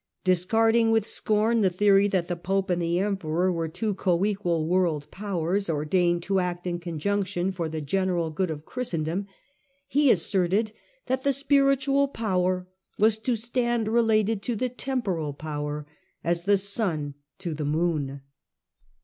Discarding with scorn the theory that the Pope and the Emperor were two co equal world powers, ordained to act in conjunction for the general good of Christendom, he asserted that " the spiritual power was to stand related to the temporal power as the sun to the moon."